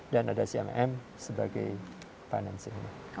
dan ada cmim sebagai financing